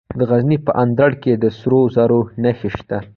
د غزني په اندړ کې د سرو زرو نښې شته.